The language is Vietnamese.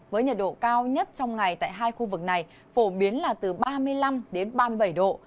với nhiệt độ cao nhất trong ngày tại hai khu vực này phổ biến là từ ba mươi năm đến ba mươi bảy độ